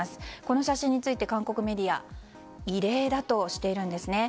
この写真について韓国メディアは異例だとしているんですね。